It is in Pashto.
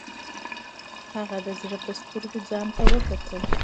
هغه د زړه په سترګو ځان ته وکتل.